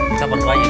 kita bantu aja